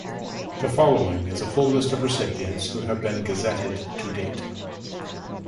The following is a full list of recipients who have been Gazetted to date.